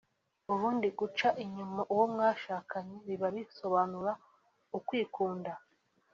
ubundi guca inyuma uwo mwakundanye biba bisobanura ukwikunda